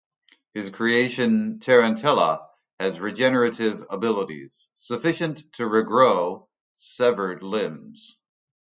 His creation Tarantella has regenerative abilities, sufficient to regrow severed limbs.